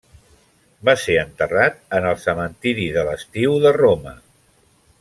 Va ser enterrat en el cementiri de l'Estiu de Roma.